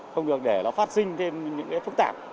không được để nó phát sinh thêm những cái phức tạp